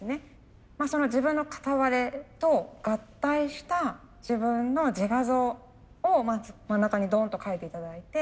自分の片割れと合体した自分の自画像をまず真ん中にドンと描いて頂いて。